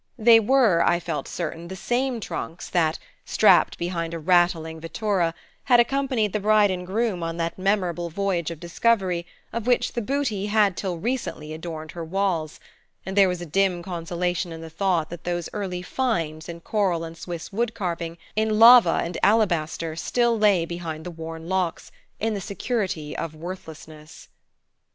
They were, I felt certain, the same trunks that, strapped behind a rattling vettura, had accompanied the bride and groom on that memorable voyage of discovery of which the booty had till recently adorned her walls; and there was a dim consolation in the thought that those early "finds" in coral and Swiss wood carving, in lava and alabaster, still lay behind the worn locks, in the security of worthlessness.